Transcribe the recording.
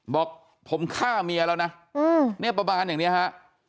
บอกผมฆ่าเมียแล้วนะเนี่ยประมาณอย่างนี้ฮะ